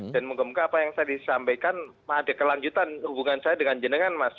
dan moga moga apa yang saya disampaikan ada kelanjutan hubungan saya dengan jenengan mas